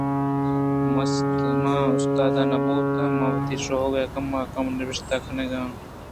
من ءَ استاد نہ بوتگ من وتی شوک ءَ کم کم ءَ نبشتہ گنگ ءَ آں